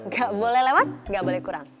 gak boleh lewat nggak boleh kurang